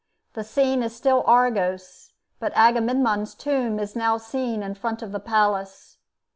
The scene is still Argos, but Agamemnon's tomb is now seen in front of the palace.